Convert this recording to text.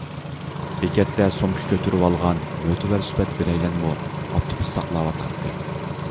بېكەتتە سومكا كۆتۈرۈۋالغان مۆتىۋەر سۈپەت بىرەيلەنمۇ ئاپتوبۇس ساقلاۋاتاتتى.